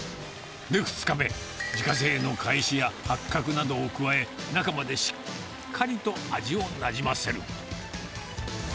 で、２日目、自家製のかえしや八角などを加え、中までしっかりと味をなじませる。